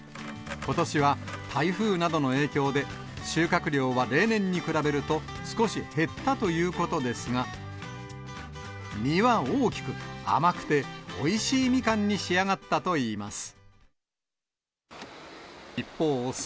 ことしは台風などの影響で、収穫量は例年に比べると、少し減ったということですが、実は大きく、甘くておいしいみかんに仕上がったといいます。